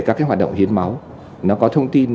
các cái hoạt động hiến máu nó có thông tin